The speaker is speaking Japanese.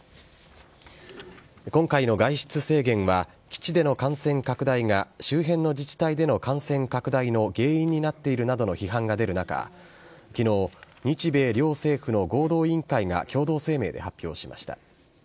今回の外出制限は基地での感染拡大が、周辺の自治体での感染拡大の原因になっているなどの批判が出る中、きのう、日米両政府の合同委員会が共同声明で発表しました。